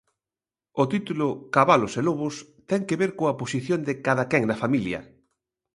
O título, 'Cabalos e lobos', ten que ver coa posición de cadaquén na familia.